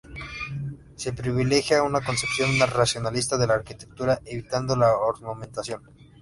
Se privilegiaba una concepción racionalista de la arquitectura, evitando la ornamentación.